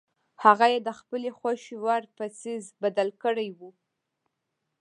هغه یې د خپلې خوښې وړ په څیز بدل کړی وي.